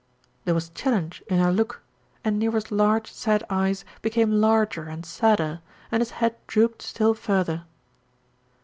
There was challenge in her look, and Nero's large, sad eyes be came larger and sadder, and his head drooped still further.